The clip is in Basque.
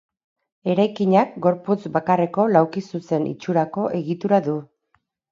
Eraikinak gorputz bakarreko laukizuzen itxurako egitura du.